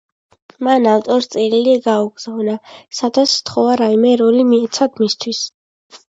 მან ავტორს წერილი გაუგზავნა, სადაც სთხოვა რაიმე როლი მიეცათ მისთვის.